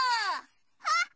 あっ！